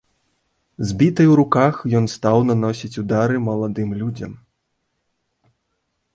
З бітай у руках ён стаў наносіць удары маладым людзям.